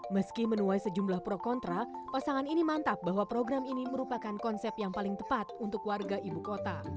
meski menuai sejumlah pro kontra pasangan ini mantap bahwa program ini merupakan konsep yang paling tepat untuk warga ibu kota